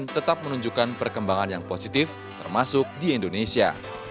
tetap menunjukkan perkembangan yang positif termasuk di indonesia